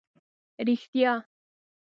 رښتیا.